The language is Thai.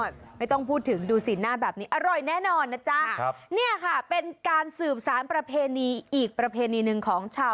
สมัยก่อนเองนะต้องขูดมะพร้าวให้เป็น